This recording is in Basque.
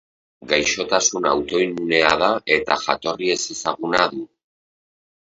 Gaixotasun autoimmunea da eta jatorri ezezaguna du.